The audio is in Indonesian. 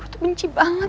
gue tuh benci banget